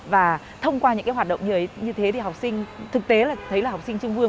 và thông qua những cái hoạt động như thế thì học sinh thực tế là thấy là học sinh trương vương